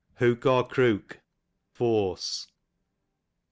Hook or crook, fm ce.